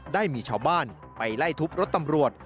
ได้มีชาวบ้านไปไล่ทุบรถตำรวจ